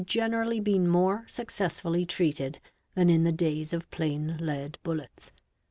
generally been" more successfull treated than in the days of plain lead bullets.